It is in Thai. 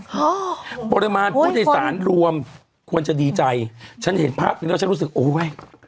ฮะปริมาณผู้โดยสารรวมควรจะดีใจฉันเห็นภาพนี้แล้วฉันรู้สึกโอ้เว้ย